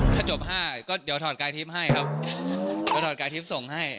ถ้าจบ๕ก็เดี๋ยวถอดกายทริปให้ครับก็ถอดกายทริปส่งให้